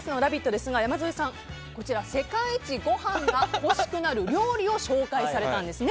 ですが山添さん、世界一ご飯が欲しくなる料理を紹介されたんです。